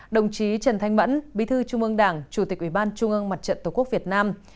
đồng chí trần thanh mẫn bí thư trung ương đảng chủ tịch ủy ban trung ương mặt trận tổ quốc việt nam